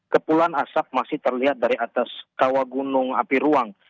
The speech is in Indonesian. kepulan asap masih terlihat dari atas kawah gunung api ruang